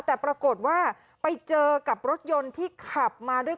แต่ปรากฏว่าไปเจอกับรถยนต์ที่ขับมาด้วย